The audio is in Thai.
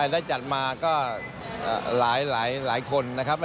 ได้จัดมาก็หลายคนนะครับ